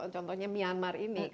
contohnya myanmar ini